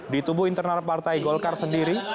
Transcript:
di tubuh internal partai golkar sendiri